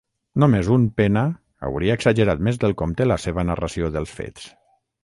Només un pena hauria exagerat més del compte la seva narració dels fets.